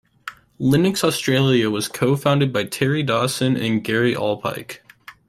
Linux Australia was co-founded by Terry Dawson and Gary Allpike.